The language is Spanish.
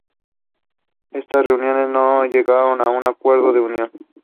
Estas reuniones no llegaron a un acuerdo de unión.